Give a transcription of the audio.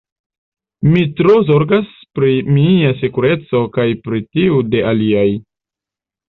Mi tro zorgas pri mia sekureco kaj pri tiu de aliaj.